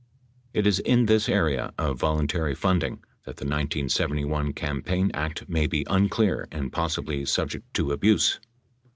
It is in this area of voluntary funding that the 1971 Campaign Act may be unclear and possibly subject to abuse.